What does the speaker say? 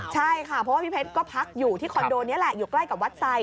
ใช่ค่ะเพราะว่าพี่เพชรก็พักอยู่ที่คอนโดนี้แหละอยู่ใกล้กับวัดไซด